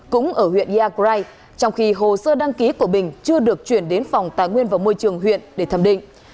cũng ở huyện iagrai trong khi hồ sơ đăng ký của bình chưa được chuyển đến phòng tài nguyên và môi trường huyện để thẩm định